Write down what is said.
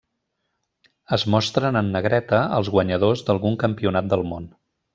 Es mostren en negreta els guanyadors d'algun campionat del món.